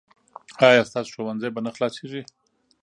ایا ستاسو ښوونځی به نه خلاصیږي؟